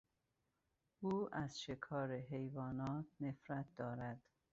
او از شکار حیوانات نفرت دارد.